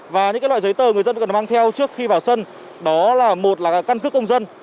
và những loại giấy tờ người dân cần mang theo trước khi vào sân đó là một là căn cước công dân